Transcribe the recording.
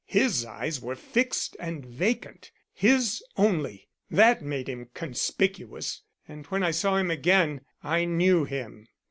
His eyes were fixed and vacant; his only. That made him conspicuous and when I saw him again I knew him."